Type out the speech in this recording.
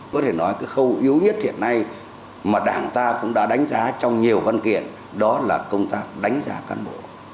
có thể nói cái khâu yếu nhất hiện nay mà đảng ta cũng đã đánh giá trong nhiều văn kiện đó là công tác đánh giá cán bộ